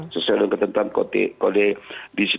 sesuai dengan tentang kode disiplin pssi dua ribu tujuh belas